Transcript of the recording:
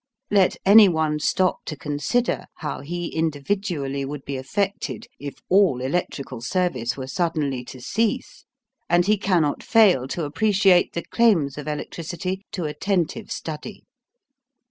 Let anyone stop to consider how he individually would be affected if all electrical service were suddenly to cease, and he cannot fail to appreciate the claims of electricity to attentive study.